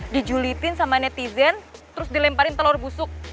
dijulitin sama netizen terus dilemparin telur busuk